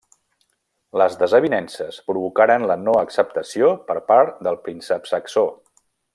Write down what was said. Les desavinences provocaren la no acceptació per part del príncep saxó.